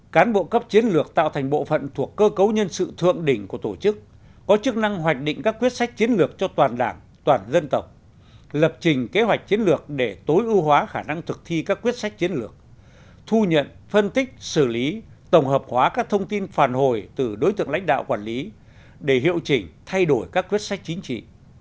cán bộ cấp chiến lược tạo thành bộ phận thuộc cơ cấu nhân sự thượng đỉnh của tổ chức có chức năng hoạch định các quyết sách chiến lược cho toàn đảng toàn dân tộc lập trình kế hoạch chiến lược để tối ưu hóa khả năng thực thi các quyết sách chiến lược thu nhận phân tích xử lý tổng hợp hóa các thông tin phản hồi từ đối tượng lãnh đạo quản lý để hiệu chỉnh thay đổi các quyết sách chính trị